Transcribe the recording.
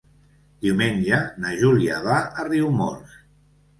Diumenge na Júlia va a Riumors.